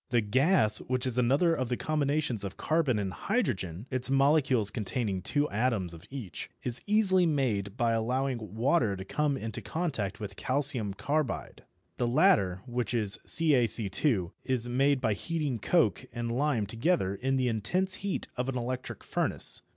The gas, which is another of the combinations of carbon and hydrogen (its molecules containing two atoms of each), is easily made by allowing water to come into contact with calcium carbide. The latter, which is CaC_, is made by heating coke and lime together in the intense heat of an electric furnace.